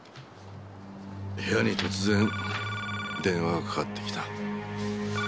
部屋に突然電話がかかってきた。